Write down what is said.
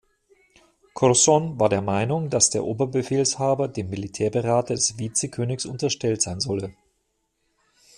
Curzon war der Meinung, dass der Oberbefehlshaber dem Militärberater des Vizekönigs unterstellt sein solle.